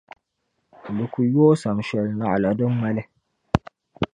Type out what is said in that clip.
Bɛ ku yo o sam shɛli naɣila din ŋmali.